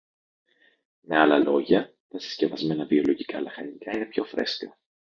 Με άλλα λόγια, τα συσκευασμένα βιολογικά λαχανικά είναι πιο φρέσκα